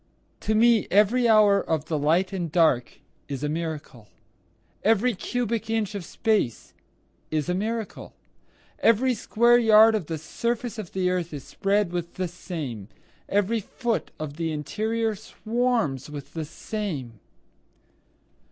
To me every hour of the light and dark is a miracle, Every cubic inch of space is a miracle, Every square yard of the surface of the earth is spread with the same, Every foot of the interior swarms with the same.